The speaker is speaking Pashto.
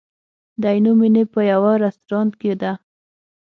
د عینومېنې په یوه رستورانت کې ده.